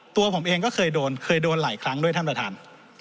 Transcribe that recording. ตัวผมเองก็เคยโดนเคยโดนหลายครั้งด้วยท่านประธาน